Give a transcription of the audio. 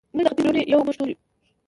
موږ د ختیځ لوڼې یو، موږ ټولې،